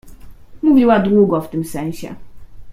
Mówiła długo w tym sensie.